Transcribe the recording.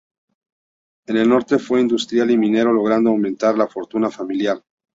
En el norte fue industrial y minero, logrando aumentar la fortuna familiar.